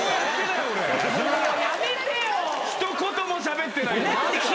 一言もしゃべってない。